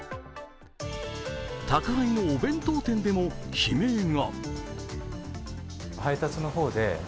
宅配のお弁当店でも悲鳴が。